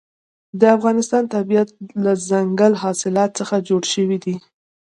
د افغانستان طبیعت له دځنګل حاصلات څخه جوړ شوی دی.